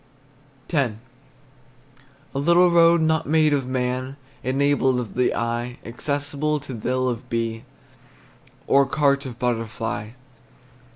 X. A little road not made of man, Enabled of the eye, Accessible to thill of bee, Or cart of butterfly.